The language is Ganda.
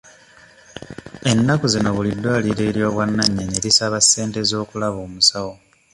Ennaku zino buli ddwaliro ery'obwannannyini lisaba ssente z'okulaba omusawo.